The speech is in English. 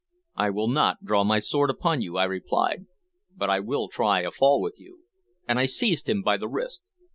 "I will not draw my sword upon you," I replied, "but I will try a fall with you," and I seized him by the wrist.